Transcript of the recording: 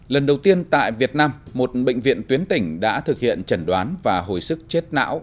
lần đầu tiên tại việt nam một bệnh viện tuyến tỉnh đã thực hiện trần đoán và hồi sức chết não